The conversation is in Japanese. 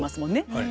はい。